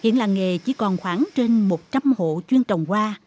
hiện làng nghề chỉ còn khoảng trên một trăm linh hộ chuyên trồng hoa